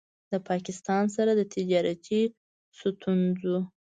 د پاکستان سره د تجارتي ستونځو